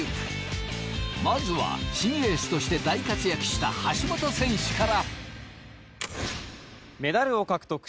まずは新エースとして大活躍した橋本選手から。